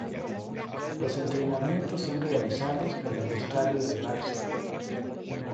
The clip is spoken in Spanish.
Los entrenamientos son realizados en el estadio de Várzea.